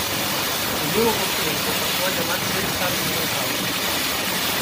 El nuevo complejo pasó a llamarse "Arsenal House".